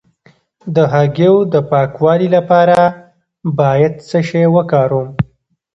د هګیو د پاکوالي لپاره باید څه شی وکاروم؟